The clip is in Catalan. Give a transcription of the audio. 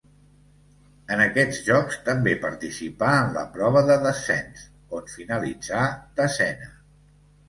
En aquests Jocs també participà en la prova de descens, on finalitzà desena.